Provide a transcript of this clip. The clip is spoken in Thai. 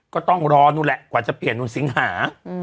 ก็ต้องรอนู่นแหละกว่าจะเปลี่ยนนู่นสิงหา